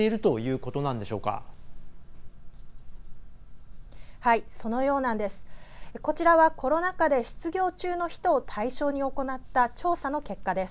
こちらは、コロナ禍で失業中の人を対象に行った調査の結果です。